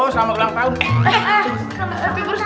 selamat ulang tahun